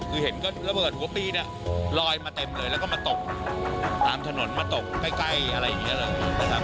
คือเห็นก็ระเบิดหัวปีเนี่ยลอยมาเต็มเลยแล้วก็มาตกตามถนนมาตกใกล้อะไรอย่างนี้เลยนะครับ